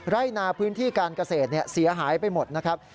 ไร่นาพื้นที่การเกษตรเสียหายไปหมดนะครับ